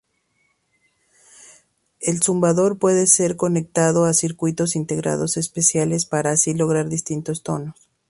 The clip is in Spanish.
El zumbador puede ser conectado a circuitos integrados especiales para así lograr distintos tonos.